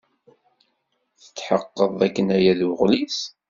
Tetḥeqqed dakken aya d uɣlis?